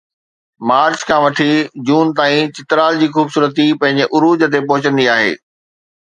march کان وٺي June تائين چترال جي خوبصورتي پنهنجي عروج تي پهچندي آهي